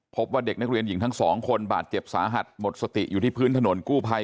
พบว่าเด็กนักเรียนหญิงทั้งสองคนบาดเจ็บสาหัสหมดสติอยู่ที่พื้นถนนกู้ภัย